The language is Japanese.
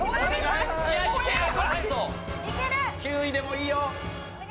９位でもいいよ。